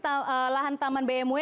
ini lahan taman bmw